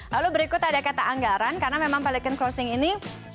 lalu berikut ada kata anggaran karena memang balikan crossing ini